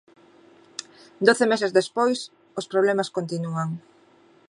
Doce meses despois, os problemas continúan.